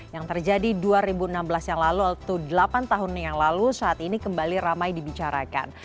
yang terjadi dua ribu enam belas yang lalu atau delapan tahun yang lalu saat ini kembali ramai dibicarakan